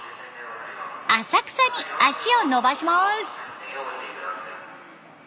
浅草に足を延ばします。